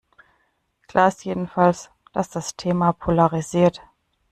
Klar ist jedenfalls, dass das Thema polarisiert.